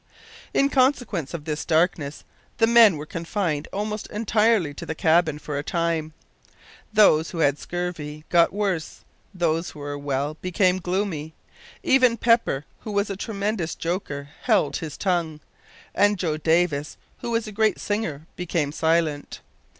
In consequence of this darkness the men were confined almost entirely to the cabin for a time. Those who had scurvy, got worse; those who were well, became gloomy. Even Pepper, who was a tremendous joker, held his tongue, and Joe Davis, who was a great singer, became silent.